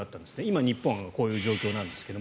今、日本がこういう状況なんですが。